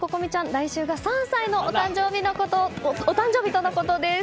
来週が３歳のお誕生日とのことです。